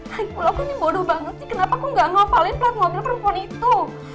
naik pulau aku ini bodoh banget sih kenapa aku gak ngapalin pelat mobil perempuan itu